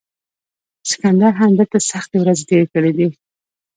سکندر هم دلته سختې ورځې تیرې کړې